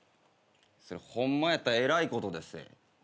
それホンマやったらえらいことでっせ。